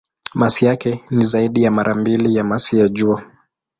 Masi yake ni zaidi ya mara mbili ya masi ya Jua.